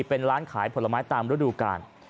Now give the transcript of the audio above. เป็นร้านขายผลไม้ตามฤดูกาล